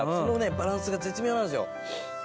バランスが絶妙なんですよ。